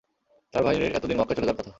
তার বাহিনীর এতদিন মক্কায় চলে যাওয়ার কথা।